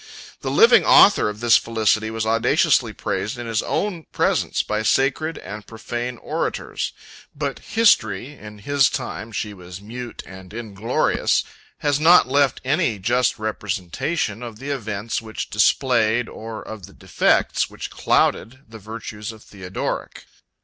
The living author of this felicity was audaciously praised in his own presence by sacred and profane orators; 23 but history (in his time she was mute and inglorious) has not left any just representation of the events which displayed, or of the defects which clouded, the virtues of Theodoric.